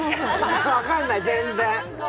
分かんない、全然。